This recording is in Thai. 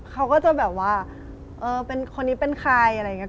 เขาก็จะแบบว่าเออเป็นคนนี้เป็นใครอะไรอย่างนี้